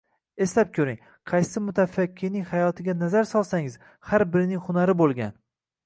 Eslab ko‘ring, qaysi mutafakkirning hayotiga nazar solsangiz, har birining hunari bo‘lgan